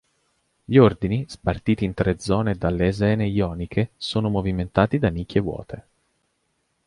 Gli ordini, spartiti in tre zone da lesene ioniche, sono movimentati da nicchie vuote.